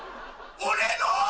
俺の？